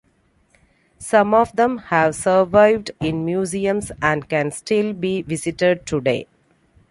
Some of them have survived in museums and can still be visited today.